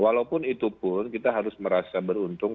walaupun itupun kita harus merasa beruntung